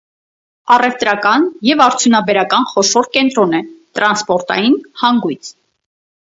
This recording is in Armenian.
Առևտրական և արդյունաբերական խոշոր կենտրոն է, տրանսպորտային հանգույց։